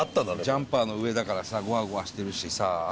ジャンパーの上だからさゴワゴワしてるしさ。